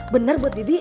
bener buat bibi